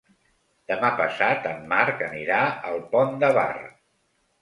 Demà passat en Marc anirà al Pont de Bar.